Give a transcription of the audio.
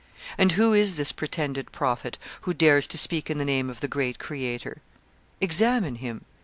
And who is this pretended prophet, who dares to speak in the name of the Great Creator? Examine him.